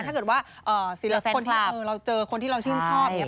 เมื่อเราเจอคนที่เราชื่นชอบ